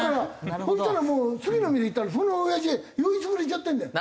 そしたらもう次の店行ったらそのオヤジ酔い潰れちゃってるんだよ。